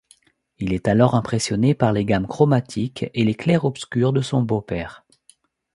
Il est alors impressionné par les gammes chromatiques et les clairs-obscurs de son beau-père.